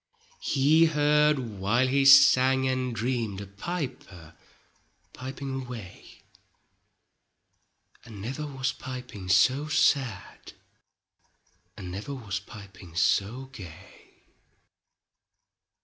He heard while he sang and dreamed A piper piping away, And never was piping so sad. And never was piping so gay.